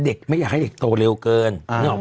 เด็กไม่อยากให้เด็กโตเร็วเกิน